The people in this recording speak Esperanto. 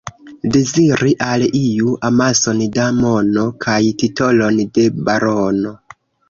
Deziri al iu amason da mono kaj titolon de barono.